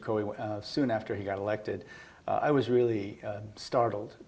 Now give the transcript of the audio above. kita mengerti pendidikan kekayaan